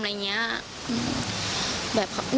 เพื่อนของไอซ์นะครับเกี่ยวด้วย